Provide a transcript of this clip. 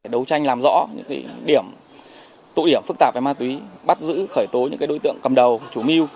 đấu tranh làm rõ những cái điểm tụ điểm phức tạp về ma túy bắt giữ khởi tối những cái đối tượng cầm đầu chủ mưu